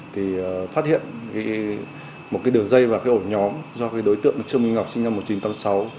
thì phát hiện một đường dây và ổ nhóm do đối tượng trương minh ngọc sinh năm một nghìn chín trăm tám mươi sáu